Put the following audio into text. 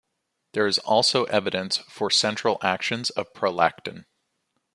There is also evidence for central actions of prolactin.